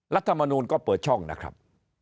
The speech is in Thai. รัฐมนูลก็เปิดช่องนะครับ